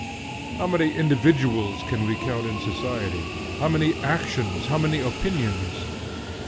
How many individuals can we count in society? how many actions? how many opinions?